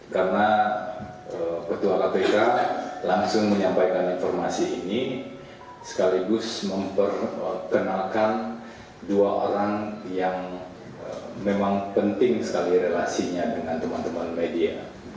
karena ketua kpk langsung menyampaikan informasi ini sekaligus memperkenalkan dua orang yang memang penting sekali relasinya dengan teman teman media